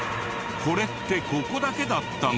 これってここだけだったの？